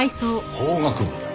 法学部だ。